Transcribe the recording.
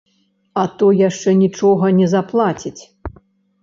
А то яшчэ нічога не заплаціць.